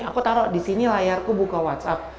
aku taro disini layarku buka whatsapp